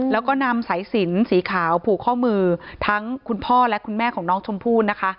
แล้วก็นำสายสินสีขาวผูกข้อมือทั้งคุณพ่อและคุณแม่ของน้องชมพู่นะคะ